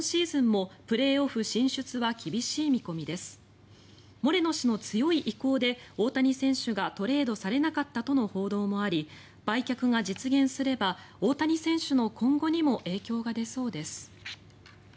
モレノ氏の強い意向で大谷選手がトレードされなかったとの報道もあり売却が実現すれば大谷選手の今後にも影響が出そうです。